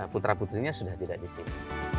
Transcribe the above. putra putrinya sudah tidak disini